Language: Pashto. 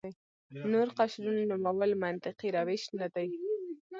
نور قشرونو نومول منطقي روش نه دی.